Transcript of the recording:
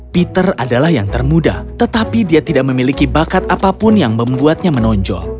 peter adalah yang termuda tetapi dia tidak memiliki bakat apapun yang membuatnya menonjol